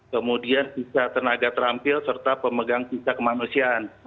kemudian sisa tenaga terampil serta pemegang sisa kemanusiaan